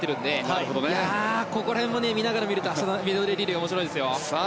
ここら辺も見ながら見ると明日のメドレーリレーは面白いですよ。